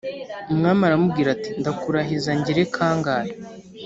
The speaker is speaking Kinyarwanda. Umwami aramubwira ati “Ndakurahiza ngire kangahe